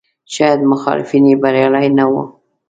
شاید مخالفین یې بریالي نه وو.